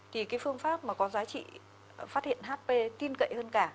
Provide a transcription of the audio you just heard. thì cái phương pháp mà có giá trị phát hiện hp tin cậy hơn cả